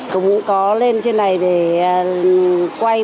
cũng có lên trên này để quay một số tham gia cùng với phố đi bộ